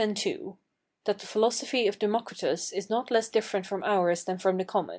That the philosophy of Democritus is not less different from ours than from the common.